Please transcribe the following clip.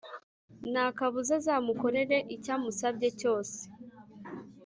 ntakabuza azamukorera icyamusabye cyose.